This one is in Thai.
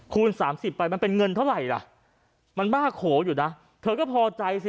คูณ๓๐ไปมันเป็นเงินเท่าไหร่ล่ะมันบ้าโขอยู่นะเธอก็พอใจสิ